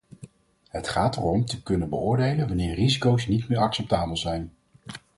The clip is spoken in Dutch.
Het gaat erom te kunnen beoordelen wanneer risico's niet meer acceptabel zijn.